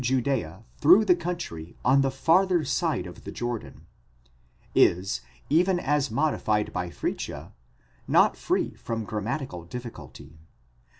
Judzea through the country on the farther side of the Jordan,® is, even as' modified by Fritzsche, not free from grammatical difficulty.